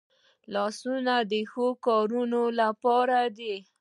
لاسونه د ښو کارونو لپاره دي